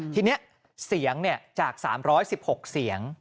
ที่นี่เสียงจากสามร้อยสิบหกเสียง